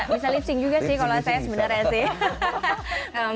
bisa lip sync juga sih kalau saya sebenarnya sih